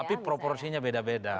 tapi proporsinya beda beda